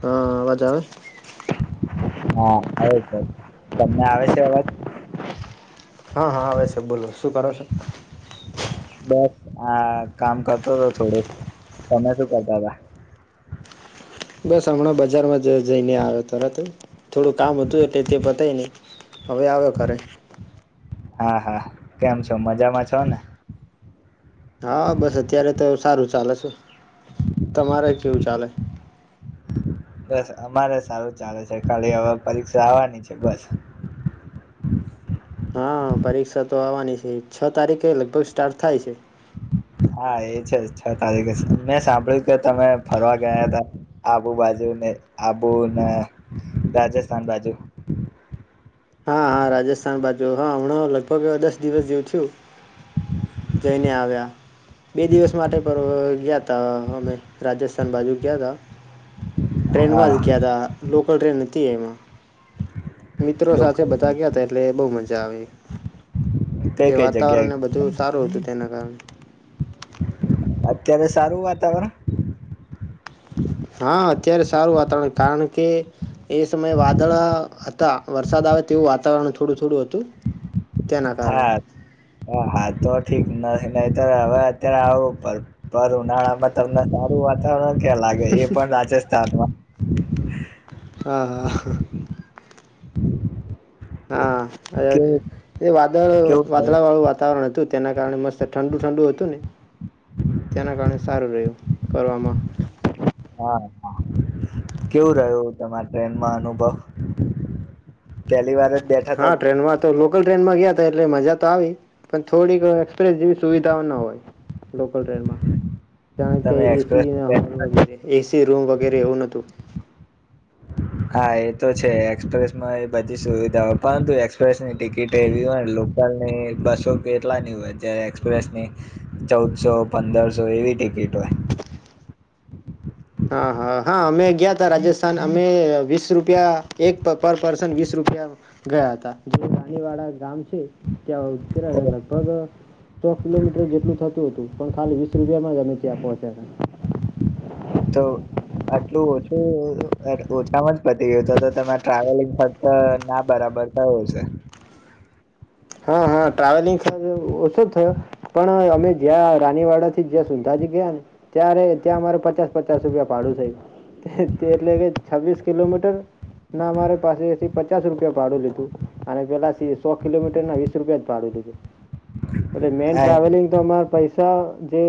હ અવાજ આવે? હા આવે છે. તમને આવે છે? છે અવાજ? હા હા આવે છે. બોલો શું કરો છો? બસ આ કામ કરતો તો થોડુંક. તમે શું કરતા તા? બસ હમણાં બજારમાં જ જઈને આયો તરત જ થોડું કામ હતું એટલે તે પતાઈ ને હવે આવ્યો ઘરે. હા હા કેમ છો મજામાં છો ને? હા બસ અત્યારે તો સારું ચાલે છે. તમારે કેવું ચાલે? બસ અમારે સારું ચાલે છે. ખાલી હવે પરીક્ષા આવાની છે બસ. હા પરીક્ષા તો આવાની છે. છ તારીખે લગભગ સ્ટાર્ટ થાય છે. હા એ છે. છ તારીખે મેં સાંભળ્યું કે તમે ફરવા ગયા તા આબુ બાજુ ને આબુ ને રાજસ્થાન બાજુ હા હા રાજસ્થાન બાજુ હહ હમણાં લગભગ દસ દિવસ જેવું થયું જઈને આવ્યા. બે દિવસ માટે પણ ગયાતા અમે રાજસ્થાન બાજુ ગયાતા. ટ્રેનમાં હા જ ગયાતા લોક કલ ટ્રેન હતી એમાં મિત્રો સાથે લોકલ બતાવી ગયા હતા એટલે બહુ મજા જાવ કઈ જે કઈ વાતાવરણ જગ્યાએ ને બધું સારું હતું તેના કારણ અત્યારે સારું વાતાવરણ હા અત્યારે સારું વાતાવરણ કારણ કે એ સમયે વાદળ હતા વરસાદ આવે તેવું વાતાવરણ થોડું થોડું હતું તેના કારણે હા હા હા તો ઠીક નથી નઇતો હવે અત્યારે આવું ઉનાળા માં તમને સારું વાતાવરણ લાગે એ પણ રાજસ્થાનમાં [unintelligible] હા હા હા અ કેવું એ વાદળ કેવું રહ્યું વાદળા વાળું વાતાવરણ હતું જ તેના કારણે મસ્ત ઠંડુ ઠંડુ હતું ને તેના કારણે સારું રહ્યું ફરવામાં હા હા કેવું રહ્યું તમારા ટ્રેનમાં અનુભવ પહેલી વાર જ બેઠા હતા હા ટ્રેનમાં તો લોકલ ટ્રેનમાં ગયા એટલે મજા તો આવી પણ થોડીક એક્સપ્રેસ જેવી સુવિધાઓ ના હોય લોકલ ટ્રેનમાં જાણ કે તમે એસી એક્સપ્રેસમાં હોલ બેઠા હતા? વગેરે એસી રૂમ વગેરે એવું નતું હા એ તો છે એક્સપ્રેસમાં એ બધી સુવિધા હોય પરંતુ એક્સપ્રેસની ટિકિટ એવી હોય લોકલની બસો કેટલાની હોય જારે એક્સપ્રેસની ચૌદસો પંદરસો એવી ટિકિટ હોય હા હા હા અમે ગયા ત રાજસ્થાન અમે વીસ રૂપિયા એક પર પર્સન વીસ રૂપિયા ગયા હતા જે રાણી વાડા ગામ છે ક્યા હોય ઉતર્યા લગભગ સો કિલોમીટર જેટલું થતું હતું પણ ખાલી વીસ રૂપિયામાં જ અમે ત્યાં પહોંચ્યાને તો આટલું ઓછું ઓછામાં જ પતી ગયું તો તો ટ્રાવેલિંગ ફક્ત ના બરાબર થયું છે હા હા ટ્રાવેલિંગ ખ ઓછો થયો પણ અમે જ્યાં રાનીવાડા થી જ્યાં સુંંધાજી ગયા ને ત્યારે ત્યાં અમારે પચાસ પચાસ રૂપિયા પાડું થય એટલે કે છવ્વીસ કિલોમીટર ના અમારે પાસેથી પચાસ રૂપિયા પાડું લીધું અને પેલા સો કિલોમીટર ના વીસ રૂપિયા જ ભાડું દીધું એટ મેન હા ટ્રાવેલિંગ તો અમારે પૈસા પૈસા જે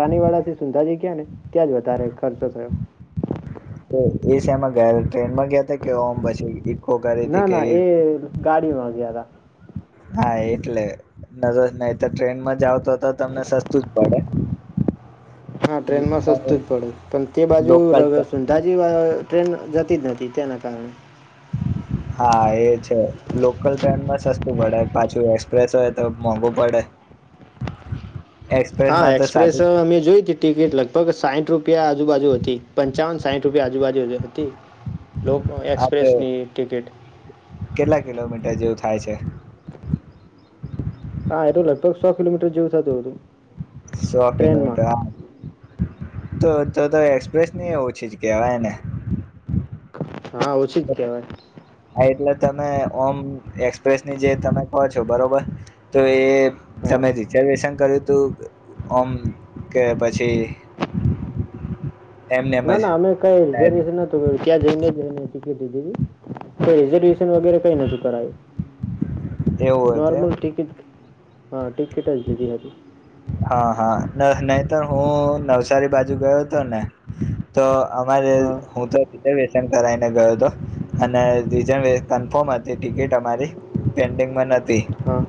રાની વાળા થી સુંંધાજી ગયા ને ત્યાં જ વધારે ખર્ચો થયો તો એ શેમાં ગયા ટ્રેનમાં ગયા ત કેમ પછી ઇકો કરી ના હતી ના કેવી એ ગાડીમાં ગયા હતા હા એટલે નજર નહી તો ટ્રેન માં જ આવ તો તો તમને સસ્તું જ પડે હા ટ્રેનમાં સસ્તું જ પડે પણ તે બાજુ લોકલ સંધા જે ટ્રેન જતી જ નથી તેના કારણે હા એ છે લોકલ ટ્રેનમાં સસ્તું પડે પાછું એક્સપ્રેસ હોય તો મોંઘું પડે હા એક્સપ્રેસમાં તો એક્સપ્રેસ સાદું અમે જોઈ તી ટિકિટ લગભગ સાહીઠ રૂપ આજુબાજુ હતી પંચાવન સાઠ રુપીયા આજુબાજુ હતી લોકો હા તો એક્સપ્રેસની ટિકિટ કેટલા કિલોમીટર જેવું થાય છે. હા એ તો લગભગ સો કિલોમીટર જેવું થતું હતું. સો ટ્રેનમાં કિલોમીટર હ તો તો તો એક્સપ્રેસ નહી ઓછી જ કેહેવાયને [inaudible] હા ઓછી જ કહેવાય. હા એટલે તમે ઓમ એક્સપ્રેસની જે તમે કહો છો બરોબર તો એ હા તમે રિઝર્વેશન કર્યું. ત ઓમ કે પછી એમનેમ ના જ ના અમે કઈ રિઝર્વેશન નતું ત્યાં જઈને રિઝરવેશન વગેરે કઈ નથી કરાયું. એવું હતું એમ નોર્મલ ટિકિટ હા ટિકિટ જ લીધી હતી. હા હા નહી તોર હું નવસારી બાજુ ગયો હતો ને તો અમારે હા હું તો સીધ વ કરને ગયો હતો અને રી કન્ફર્મ હતી ટિકિટ અમારી પેન્ડિંગમાં પે હા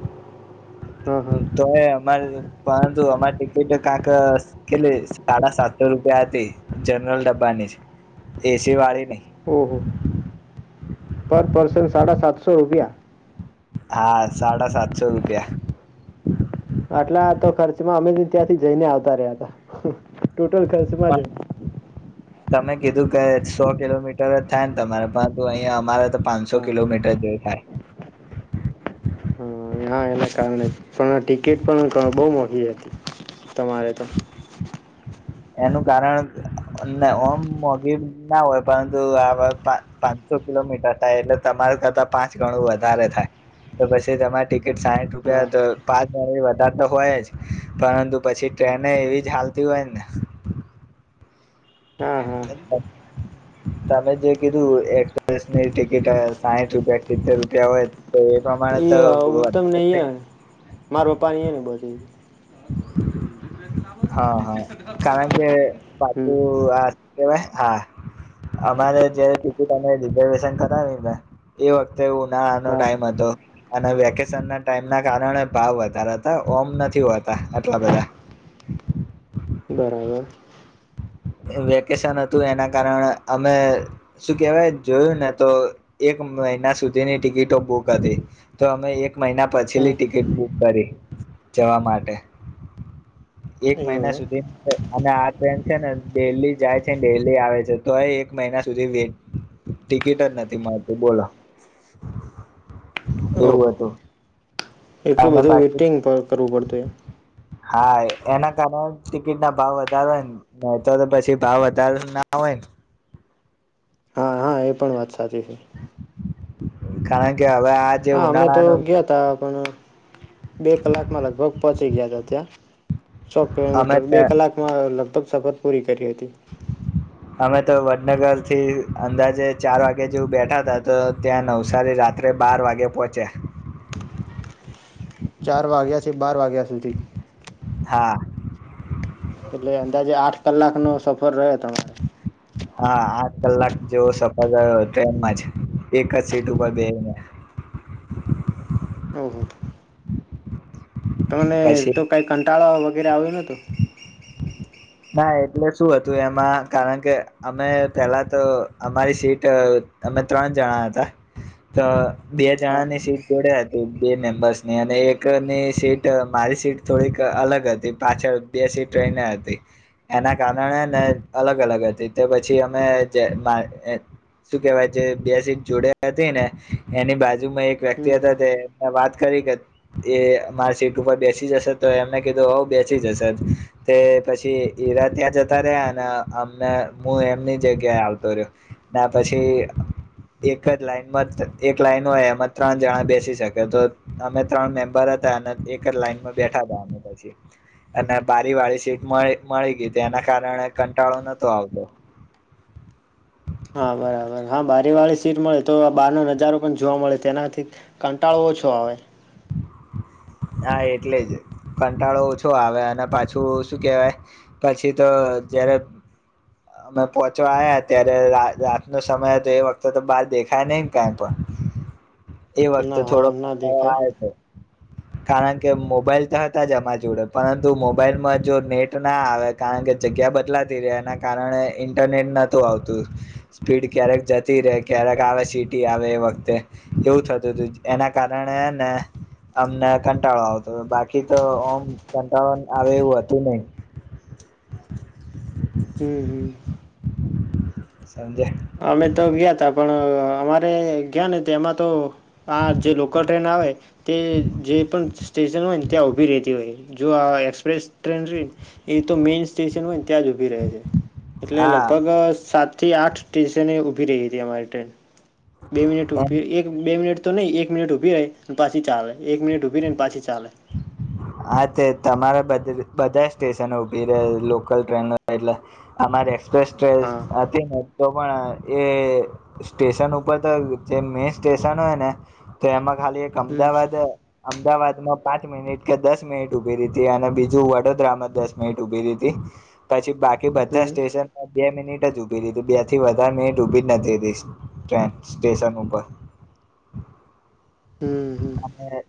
હા હા તો અમારે પરંતુ અમારી ટિકિટ કાંક કેટલી સાડા સાતસો રૂપિયા હતી જનરલ ડબ્બાની છે એસી વાળી નહી. ઓહ. પર પર્સન સાડા સાતસો રૂપિયા હા સાડા સાતસો રૂપિયા માં અમે ત્યાંથી જઈને આવતા રહ્યા હતા. ટોટલ ખર્ચમાં જ પણ તમે કીધું કે સો કિલોમીટર જ થાય ને તમારે પરંતુ અહિયાં અમારે તો પાંચસો હા કિલોમીટર જેવું થાય. હા હા કારણે પણ ટિકિટ પણ બહ મોંઘી હતી તમારે તો એનું કારણ ઓમ મોઘી ના હોય પરંતુ આ પાંચસો કિલોમીટર થાય એટલે તમાર કરતા પાંચ ગણું વધારે થાય તો પછી તમારી ટિકિટ સાઠ હા રૂપિયા તો પાંચ વધારે તો હોય જ પરંતુ પછી ટ્રેન એવી જ ચાલતી હોય ને. હા હા. તમે જે કીધું એપ્રેસની ટિકિટ સાહીઠ રૂપિયા સિત્તેર રૂપિયા હોય તો એ પ્રમાણે એ તો ઉત્તમ વધારે જ નહી હ થાય. મારા પપ્પાની એ ને બચી હા હા કારણ કે હમ પાપું કેવાય હા. અમારે જયારે ટિકિટ અમે રિઝર્વેશન કરાવી એ વખતે એવું નાનો હા ટાઈમ હતો. અને વેકેશન ના ટાઈમ ના કારણે ભાવ વધારા હતા ઓમ નથી હોતા આટલા બધા [unintelligible] બરાબર. વેકેશન હતું એના કારણે અમે શું કેહેવાય જોયું ને તો એક મહિના સુધીની ટિકિટો બુક હતી, તો અમે એક મહિના હમ પછીલી ટિકિટ બુક કરી જવા માટે એક એવું મહિના એમ. સુધી તો અને આ ટ્રેન છે ને ડેલી જાય છેન ડેલી આવે છે તો એ એક મહિના સુધી વેટ ટિકિટ જ નથી મળતી બોલો. એવું ઓહો હતું. એટલું અને બધું પાછી વેટિંગ ક કરવું પડતું એમ. હા, એ એના કારણે ટિકિટના ભાવ વધારે હોય ન નહીં તો પછી ભાવ વધારે ના હોય ન. હા હા, એ પણ વાત સાચી છે. કારન હા, અમે તો ગ્યાતા પણ બે કલાકમાં લગભગ પચ તઈ ગ્યાતા ત્યા. સો અમે કિલોમીટર બે કલાકમાં અ લગભગ સફર પુરી. કેટલી હતી. અમે તો વડનગરથી અંદાજે ચાર વાગે જેવું બેઠાતા તો ત્યાં નવસારી રાત્રે બાર વાગે પોહચ્યા. ચાર વાગ્યાથી બાર વાગ્યા સુધી. હા. એટલે અંદાજે આઠ કલાકનો સફર રહ્યો તમારે. હા, આઠ કલાક જેવો સફર થયો ટ્રેનમાં જ એક જ સીટ ઉપર બેહીને. ઓહો! તોને પછી તો કાંઈક આન ટાળા વગેરે આવ્યો નતો. ના એટલે શું હતું એમાં કારણ કે અમે પેલા તો અમારી સીટ અમે ત્રણ જણા હતા, તો બે હા જણાની સીટ જોડે હત તો બે મેમ્બર્સની અને એકની સીટ મારી સીટ થોડીક અલગ હતી, પાછળ બે સીટ રહીને હતી. એના કારણે ને અલગ અલગ હતી તો પછી અમે જે મા એ શું કેહેવાય જે બે સીટ જોડે હતી ને એની બાજુમાં એક વ્યક્તિ હતા તે હમ વાત કરી કે એ અમાર સીટ ઉપર બેસી જશે તો એમને કીધું હઉ બેસી જશે તે પછી ઈરા ત્યાં જતા રયા ન અ અમને મુ એમની જગ્યાએ આવતો રયો, ને પછી એક જ લાઈનમાં ત એક લાઈન હોય એમાં ત્રણ જણા બેસી શકે, તો અમે ત્રણ મેમ્બર હતા અન એક જ લાઈનમાં બેઠાતા અમે પછી, અને બારી વાળી સીટ મયે મળી ગીતી એના કારણે કંટાળો નતો આવતો. હા, બરાબર. હા, બારીવાળી સીટ મળે તો બારનો નજારો પણ જોવા મળે તેનાથી કંટાળો ઓછો આવે. હા, એટલે જ કંટાળો ઓછો આવે, અને પાછું શું કેહવાય પછી તો જયારે અમે પોહચવા આયા ત્યારે રા રાતનો સમય હતો એ વખતે તો બહાર દેખાય નહી કાઈ પણ. એ વખતે ના હા ના થોડોંક અ દેખાય આવે. કારણ કે મોબાઈલ તો હતા જ અમાર જોડે પરંતુ મોબાઈલમાં જો નેટ ના આવે કારણ કે જગ્યા બદલાતી રે એના કારણે ઇન્ટરનેટ નતું આવતું, સ્પીડ ક્યારેક જતી રે ક્યારેક આવે સિટી આવે એ વખતે એવું થતુંતું એના કારણે હેને અમને કંટાળો આવતો બાકી તો ઓમ કંટાળોન આવે એવું હતું નઈ. હમ હમ. સંજય અમે તો ગ્યાતા પણ અ અમારે ગ્યાને તો એમાં તો આ જે લોકલ ટ્રેન આવે તે જે પણ. સ્ટેશન હોય ને ત્યાં ઊભી રહેતી હોય જો આ એક્સપ્રેસ ટ્રેન રે એ તો મેઈન સ્ટેશન હોય. ત્યાં જ ઉભી રહે છે એટલે હા લગભગ અ સાત થી આઠ સ્ટેશને ઊભી રહી હતી અમારી ટ્રેન બે મિનીટ એમ ઉભી એક બે મિનીટ તો નહીં એક મિનિટ ઉભી રહે અને પાછી ચાલે એક મિનિટ ઉભી રહી અને પાછી ચાલે હા તે તમારા [unintelligible] બધા સ્ટેશનો ઉભી લોકલ ટ્રેનો એટલે અમારે એકપેસ હા હતી ને તો પણ એ સ્ટેશન ઉપર ત જે મેન સ્ટેશન હોય ને તેમાં ખાલી એક હમ અમદાવાદ અમદાવાદ [inaudible] પાંચ મિનિટ કે દસ મિનિટ ઉભી રેતી અને બીજું વડોદરામાં દસ મિનિટ ઉભી રેતી પછી બા કી બધા હમ સ્ટેશન પર બે મિનિટ ટ જ ઉભી રેતી બે થી વધારે મિનિટ ઉભી જ નથી રી ટ્રેન સ્ટેશન ઉપર હમ્મ હમ્મ અને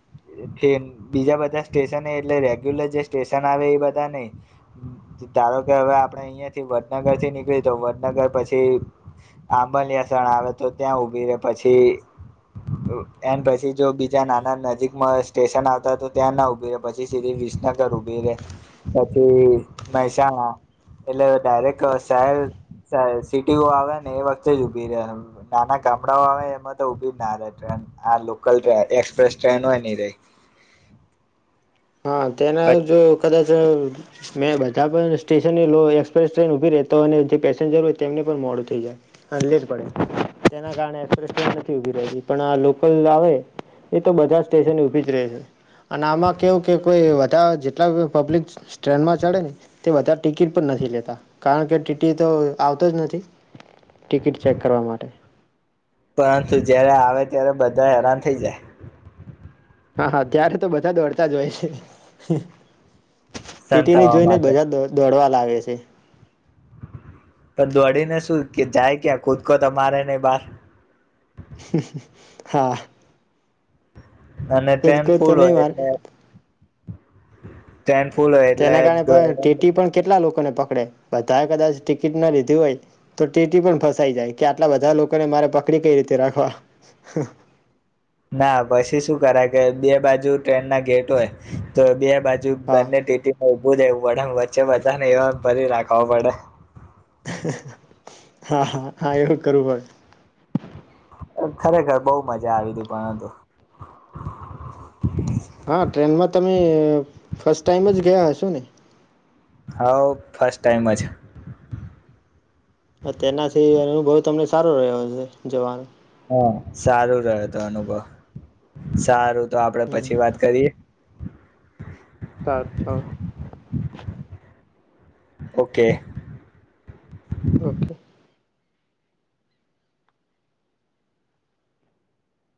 બીજા બધા સ્ટેશન એટલે રેગ્યુલર જે સ્ટેશન આવે એ બધા નઈ ધારો કે હવે આપણેે અહીયાથી વડનગર થી નીકળીએ તો વડનગર પછી આંબલિયાસાણ આવે તો ત્યાં ઉભી રે પછી એમ પ પછી જો બીજા નાના નજીકમાં સ્ટેશન આવતા તો ત્યાં ના ઉભી રહે પછી સીધી વિસનગર ઉભી રહેે પછી મહેસાણા એટલે ડાયરેક‌ અ શહેર સે સિટીઓ આવે ને એ વખતે જ ઉભી રહે નાના ગામડાઓ આવે એમાં તો ઉભી ના રહે ટ્રેન આ લો કલ એક્સપ્રેસ ટ્રેન હોય ની રેય હા તેના જો કદાચ [unintelligible] મેં બધા પણ સ્ટેશન લો એક્સપ્રેસ ટ્રેન ઊભી રહેતો અને જે પેસેન્જર હોય તેમને પણ મોડું થઈ જાય અને લેટ પડે તેના કારણે એક્સપ્રેસ ટ્રેન નથી ઊભી રહેતી પણ આ લોકલ આવે એ તો બધા સ્ટેશન ઊભી જ રહે છે અને આમાં કેવું કે કોઈ બધા જેટલા પબ્લિક ટ્રેનમાં ચડે ને તે બધા ટિકિટ પણ નથી લેતા કારણ કે ટીટી તો આવતો જ નથી. ટિકિટ ચેક કરવા માટે પરંતુ જયારે આવે ત્યારે બધા હેરાન થઈ જાય હા હા ત્યારે તો બધા દોડતા જ હોય ટીટી ને સંતાવા જોઈ ને માટે બધા દો દોડવા લાવે છે. પણ દોડીને શું કે જાય ક્યાં કુદકો તો‌ મારે ને બહાર હા અને ટ્રેન કૂદકૂદ તો ફૂલ નહીં હોય માર એટલે ટ્રેન ફૂલ હોય એટલે તેના કારણે પણ ટીટી પણ કેટલા લોકોને પકડે બધાએ કદાચ ટિકિટ ના લીધી હોય તો ટીટી પણ ફસાઈ જાય કે આટલા બધા લોકોને મારે પકડી કઈ રીતે રાખવા ના પછી શું કરાય કે બે બાજુ ટ્રેન ના ગેટ હોય તો બે બાજુ હા બને ટીટી માં ઉભું રેવું વદા માં વચ્ચે બધા ને એવા ભરી રાખવા પડે હા હા હા એવું કરવું પડે ખરેખર બહુ મજા આવી તી પરંતુ હા ટ્રેનમાં તમે ફસ્ટ ટાઈમ જ ગિયા હશો ને હો ફર્સ્ટ ટાઈમ અજ હ તેનાથી અનુભવ તમને સારો રહ્યો છે જવાનો હા સારું રેહ્યો તો અનુભવ સારું તો આપડે પછી વાત કરીએ સાચ છો ઓકે ઓકે